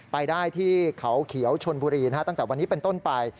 ไปได้ที่เขาเขียวชนบุรีตั้งแต่วันนี้เป็นต้นไป